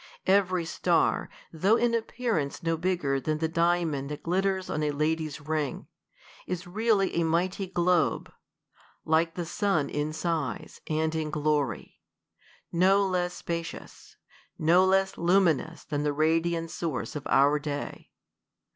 Every star, though in appearance no bigger than the dia mond that glitters on a lady's ring, is really a mighty globe ; like the sun in size, and in glory; no less spa cious ; no less luminous than the radiant source of our day.